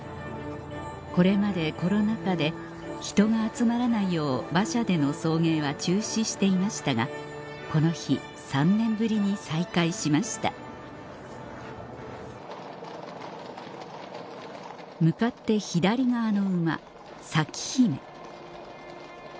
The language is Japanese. これまでコロナ禍で人が集まらないよう馬車での送迎は中止していましたがこの日３年ぶりに再開しました向かって左側の馬